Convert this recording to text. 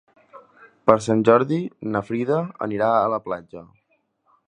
Per Sant Jordi na Frida anirà a la platja.